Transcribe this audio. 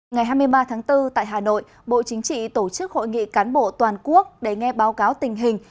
ngày hai mươi ba tháng bốn tại hà nội bộ chính trị tổ chức hội nghị cán bộ toàn quốc để nghe báo cáo tình hình